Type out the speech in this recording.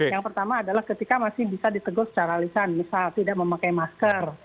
yang pertama adalah ketika masih bisa ditegur secara lisan misal tidak memakai masker